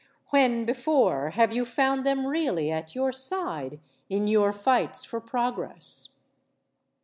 When before have you found them really at your side in your fights for progress?